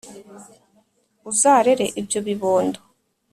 Uzarere ibyo bibondo